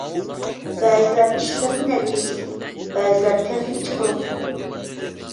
بەزىلەر ئىشلىرىدا نەتىجىلىك، بەزىلەر تېخىچە قۇرۇق قول.